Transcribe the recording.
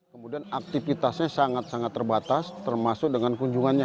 kemudian aktivitasnya sangat sangat terbatas termasuk dengan kunjungannya